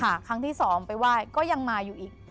ค่ะครั้งที่สองไปว่ายก็ยังมาอยู่อีก